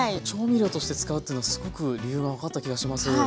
調味料として使うっていうのすごく理由が分かった気がします。